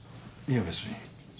いや別に。